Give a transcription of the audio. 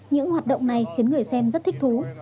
những hoạt động này khiến người xem rất thích thú